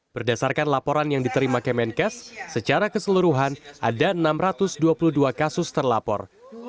berdasarkan laporan yang diterima kemenkes secara keseluruhan ada enam ratus dua puluh dua kasus terlapor